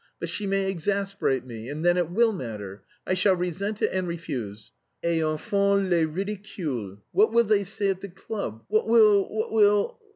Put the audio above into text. But she may exasperate me, and then it will matter. I shall resent it and refuse. Et enfin, le ridicule...what will they say at the club? What will... what will...